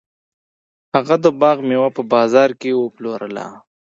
هغه د باغ میوه په بازار کې وپلورله.